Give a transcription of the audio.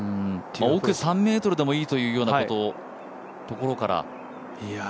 奥３ｍでもいいというところから。